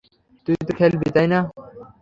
তুই তো খেলবি, তাই না?